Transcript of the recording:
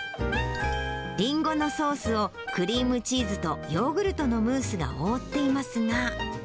りんごのソースをクリームチーズとヨーグルトのムースが覆っていますが。